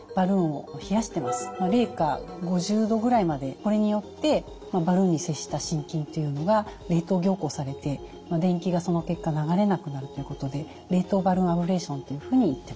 これによってバルーンに接した心筋というのが冷凍凝固されて電気がその結果流れなくなるということで冷凍バルーンアブレーションというふうにいってます。